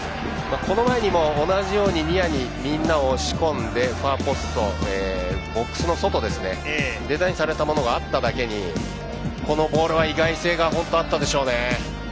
この前にも同じようにニアに押し込んでファーポスト、ボックスの外へのデザインされたものがあっただけにこのボールは意外性があったでしょうね。